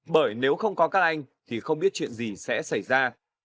bởi nếu không có các anh thì không biết chuyện gì sẽ xảy ra